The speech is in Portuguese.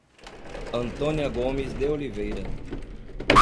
Antônia Gomes de Oliveira